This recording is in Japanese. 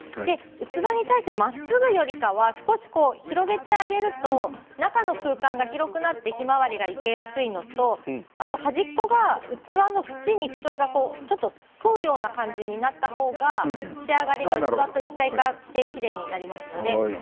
器に対してはまっすぐよりかは少し広げてあげると中の空間が広くなってヒマワリが生けやすいのと端っこが器の縁にフトイが沿うような感じになったほうが仕上がりが器と一体化してきれいになります。